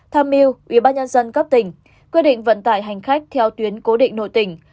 tham mưu ubnd cấp tỉnh quyết định vận tải hành khách theo tuyến cố định nội tỉnh